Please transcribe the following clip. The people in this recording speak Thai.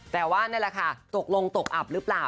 แต่ว่านั่นแหละค่ะตกลงตกอับหรือเปล่า